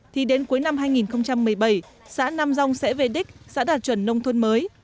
thì đến cuối năm hai nghìn một mươi bảy xã nam rông sẽ về đích xã đạt chuẩn nông thôn mới